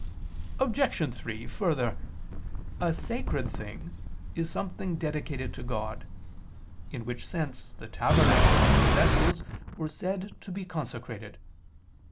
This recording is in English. Obj. 3: Further, a "sacred thing" is something dedicated to God: in which sense the tabernacle and its vessels were said to be consecrated.